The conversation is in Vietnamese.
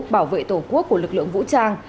bảo vệ tổ quốc của lực lượng vũ trang